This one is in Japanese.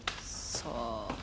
さあ。